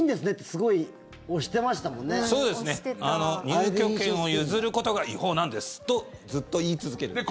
入居権を譲ることが違法なんですとずっと言い続けるみたいな。